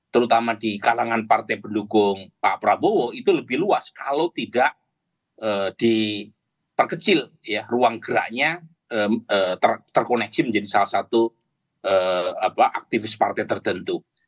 terutama di kalangan partai pendukung pak prabowo itu lebih luas kalau tidak diperkecil ruang geraknya terkoneksi menjadi salah satu aktivis partai tertentu